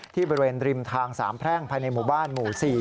บริเวณริมทางสามแพร่งภายในหมู่บ้านหมู่๔